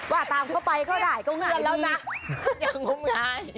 ว่าตามเขาก็ไปก็ได้ก็ง่ายนี่